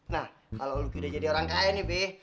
nah kalo luki udah jadi orang kaya nih be